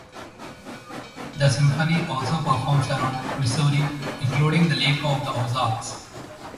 The Symphony also performs around Missouri including the Lake of the Ozarks.